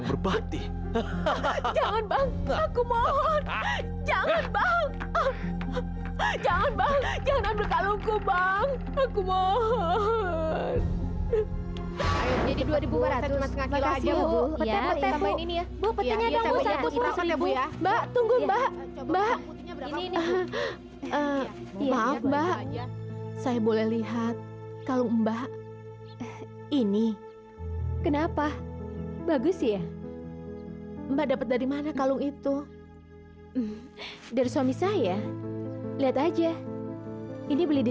sampai jumpa di video selanjutnya